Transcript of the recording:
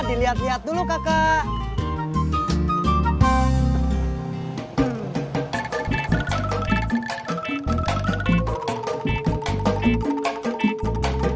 dilihat lihat dulu kakak